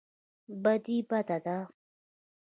بدي بده ده.